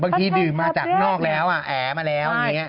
บางทีดื่มมาจากข้างนอกแล้วแอ๋มาแล้วอย่างนี้